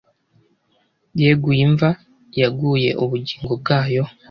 yeguye imva yaguye ubugingo bwayo